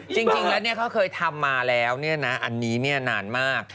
จริงแล้วเนี่ยเขาเคยทำมาแล้วเนี่ยนะอันนี้เนี่ยนานมาก